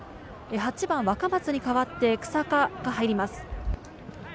８番・若松に代わって日下が入ります。